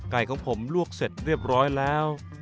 ของผมลวกเสร็จเรียบร้อยแล้ว